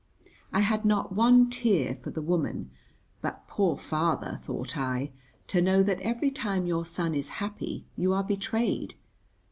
I had not one tear for the woman, but Poor father, thought I; to know that every time your son is happy you are betrayed.